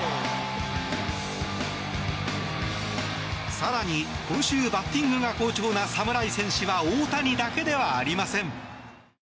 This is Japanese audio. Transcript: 更に、今週バッティングが好調な侍戦士は大谷だけではありません。